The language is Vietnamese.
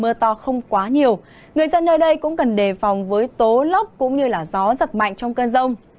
mưa to không quá nhiều người dân nơi đây cũng cần đề phòng với tố lốc cũng như gió giật mạnh trong cơn rông